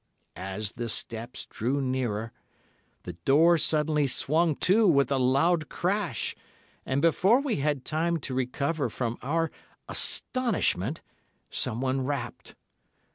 As the steps drew nearer, the door suddenly swung to with a loud crash, and before we had time to recover from our astonishment, someone rapped.